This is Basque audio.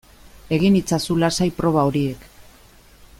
Egin itzazu lasai proba horiek